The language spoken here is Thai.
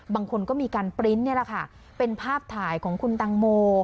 บางคนก็มีการปริ้นต์นี่แหละค่ะเป็นภาพถ่ายของคุณตังโม